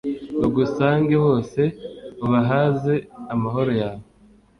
bagusange bose, ubahaze amahoro yawe